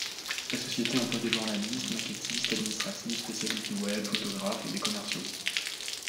La société emploie des journalistes, maquettistes, administratifs, spécialistes du web, photographes et des commerciaux.